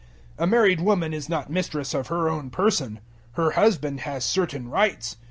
007:004 A married woman is not mistress of her own person: her husband has certain rights.